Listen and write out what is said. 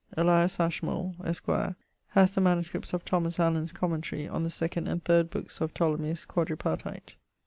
Elias Ashmole, esqr., the MSS. of Thomas Allen's commentary on the second and third bookes of Ptolomey's Quadripartite.